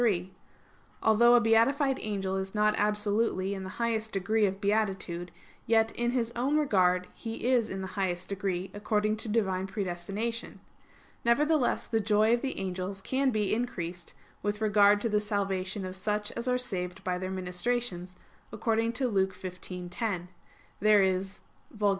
3: Although a beatified angel is not absolutely in the highest degree of beatitude, yet, in his own regard he is in the highest degree, according to Divine predestination. Nevertheless the joy of the angels can be increased with regard to the salvation of such as are saved by their ministrations, according to Luke 15:10: "There is [Vulg.'